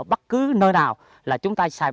bất cứ nơi nào là chúng ta